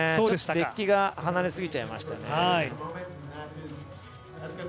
デッキが離れすぎちゃいましたね。